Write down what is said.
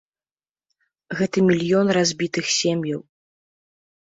Гэта мільёны разбітых сем'яў.